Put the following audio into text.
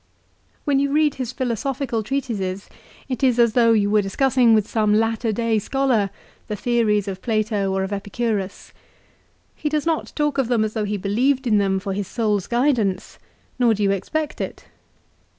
When you read his philosophical treatises it is as though you were discussing with some latter day scholar the theories of Plato or of Epicurus. He does not talk of them as though he believed in them for his soul's guidance ; nor do you expect it.